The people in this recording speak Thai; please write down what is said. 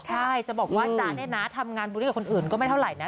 ใช่จะบอกว่าจ๊ะเนี่ยนะทำงานบูลลี่กับคนอื่นก็ไม่เท่าไหร่นะ